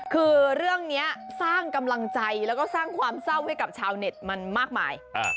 คือเรื่องนี้สร้างกำลังใจแล้วก็สร้างความเศร้าให้กับชาวเน็ตมันมากมาย